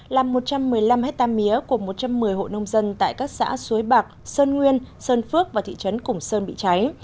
làm một trăm một mươi năm hectare mía của một trăm một mươi hộ nông dân tại các xã suối bạc sơn nguyên sơn phước và thị trấn củng sơn bị cháy